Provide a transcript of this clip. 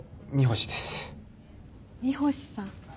三星さん。